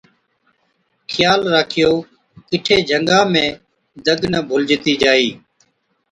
’خيال راکيو، ڪِٺي جھنگا ۾ دگ نہ ڀُلجتِي جائِي‘۔